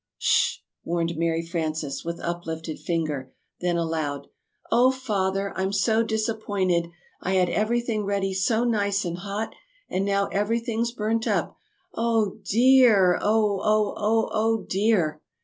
"Sh sh!" Warned Mary Frances, with uplifted finger then aloud: "Oh, Father, I'm so disappointed! I had everything ready so nice and hot, and now everything's burnt up! Oh, de ar, oh, oh, oh, de ar!"